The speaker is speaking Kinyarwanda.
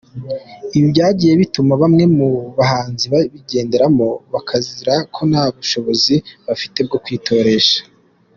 Ibi byagiye bituma bamwe mu bahanzi babigenderamo bakazira ko ntabushobozi bafite bwo kwitoresha.